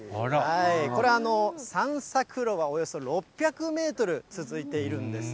これ、散策路がおよそ６００メートル続いているんです。